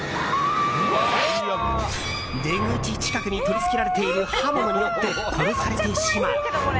出口近くに取りつけられている刃物によって殺されてしまう。